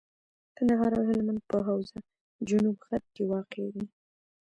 کندهار او هلمند په حوزه جنوب غرب کي واقع دي.